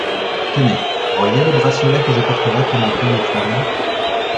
Tenez ! voyez le bracelet que je porterai pendant plus de trois mois ?